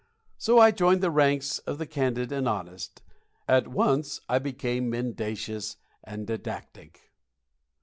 So I joined the ranks of the candid and honest. At once I became mendacious and didactic.